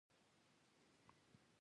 څنګه کولی شم د ذهني روغتیا خیال وساتم